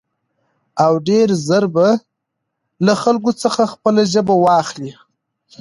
او ډېر زر به له خلکو څخه خپله ژبه واخلي.